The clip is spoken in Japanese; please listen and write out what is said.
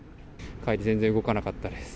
帰り、全然動かなかったです。